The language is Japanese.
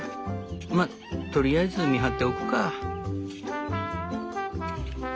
まとりあえず見張っておくか」。